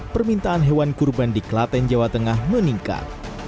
permintaan hewan kurban di klaten jawa tengah meningkat